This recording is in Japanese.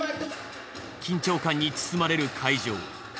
緊張感に包まれる会場。